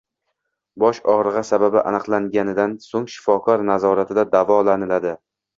Bosh og‘rig‘i sababi aniqlanganidan so‘ng shifokor nazoratida davolaniladi.